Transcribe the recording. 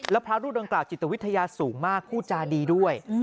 แล้วพระรูปดังกล่าจิตวิทยาสูงมากพูดจาดีด้วย